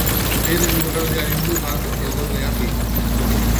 Beren lurraldearen mugak ez daude argi.